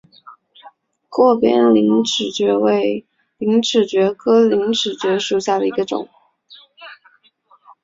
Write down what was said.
阔边陵齿蕨为陵齿蕨科陵齿蕨属下的一个种。